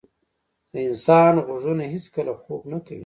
د انسان غوږونه هیڅکله خوب نه کوي.